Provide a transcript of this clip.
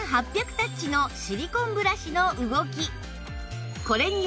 タッチのシリコンブラシの動き